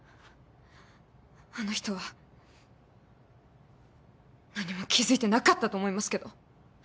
あの人は何も気付いてなかったと思いますけど。